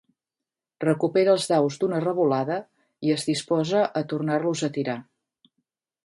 Recupera els daus d'una revolada i es disposa a tornar-los a tirar.